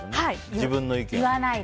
自分の意見を。